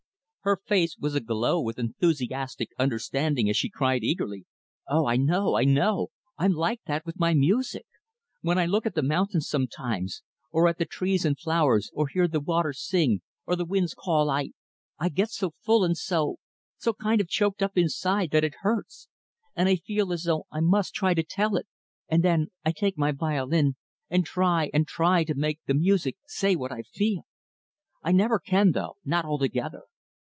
Her face was aglow with enthusiastic understanding as she cried eagerly, "Oh, I know! I know! I'm like that with my music! When I look at the mountains sometimes or at the trees and flowers, or hear the waters sing, or the winds call I I get so full and so so kind of choked up inside that it hurts; and I feel as though I must try to tell it and then I take my violin and try and try to make the music say what I feel. I never can though not altogether.